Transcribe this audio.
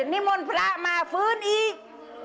นิมนต์พระมาฟื้นอีก